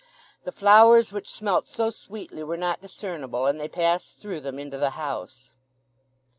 The flowers which smelt so sweetly were not discernible; and they passed through them into the house.